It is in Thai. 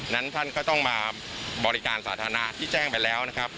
นั้นท่านก็ต้องมาบริการสาธารณะที่แจ้งไปแล้วนะครับ